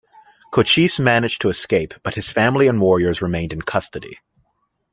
Cochise managed to escape, but his family and warriors remained in custody.